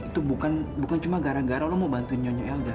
itu bukan cuma gara gara lo mau bantuin nyonya elda